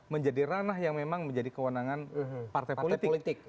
menjadi ranah yang memang menjadi kewenangan partai politik